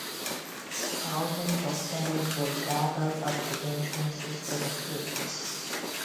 Thousands of fans were gathered at the entrances to the pits.